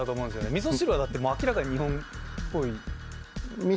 「味噌汁」はだって明らかに日本っぽい。